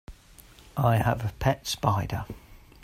I have a pet spider.